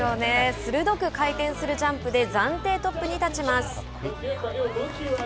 鋭く回転するジャンプで暫定トップに立ちます。